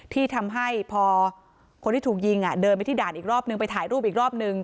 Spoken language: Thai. ที่ทำให้พอคนที่ถูกยิงเดินไปที่ด่านอีกรอบนึงไปถ่ายรูปอีกรอบนึง